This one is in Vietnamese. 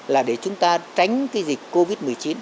là để chúng ta tránh cái dịch covid một mươi chín